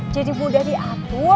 jadi mudah diatur